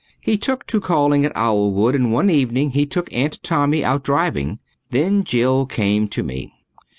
He took to calling at Owlwood and one evening he took Aunt Tommy out driving. Then Jill came to me.